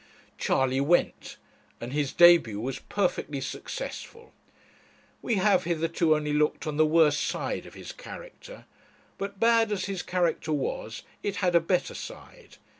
Charley went, and his debut was perfectly successful. We have hitherto only looked on the worst side of his character; but bad as his character was, it had a better side.